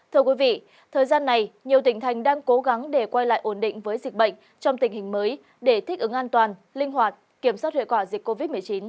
thưa quý vị thời gian này nhiều tỉnh thành đang cố gắng để quay lại ổn định với dịch bệnh trong tình hình mới để thích ứng an toàn linh hoạt